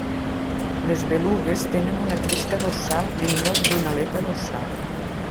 Les belugues tenen una cresta dorsal en lloc d'una aleta dorsal.